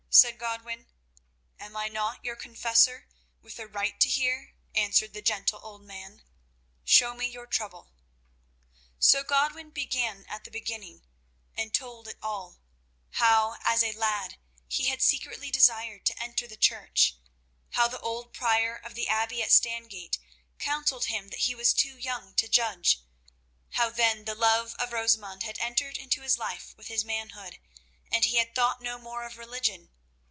said Godwin. "Am I not your confessor, with a right to hear?" answered the gentle old man. "Show me your trouble." So Godwin began at the beginning and told it all—how as a lad he had secretly desired to enter the Church; how the old prior of the abbey at Stangate counselled him that he was too young to judge; how then the love of Rosamund had entered into his life with his manhood, and he had thought no more of religion.